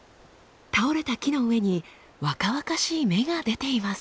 倒れた木の上に若々しい芽が出ています。